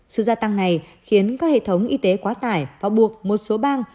sự gia tăng này khiến các hệ thống y tế quá tải phá buộc một số băng